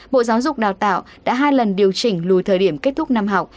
bộ giáo dục đào tạo đã hai lần điều chỉnh lùi thời điểm kết thúc năm học